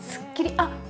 あっ！